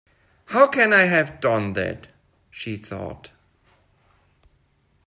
‘How can I have done that?’ she thought.